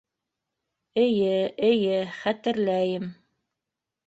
Эйе, эйе... хәтерләйем.